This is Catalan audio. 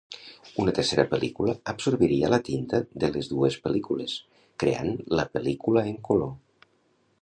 Una tercera pel·lícula absorbiria la tinta de les dues pel·lícules, creant la pel·lícula en color.